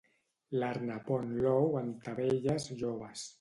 L'arna pon l'ou en tavelles joves.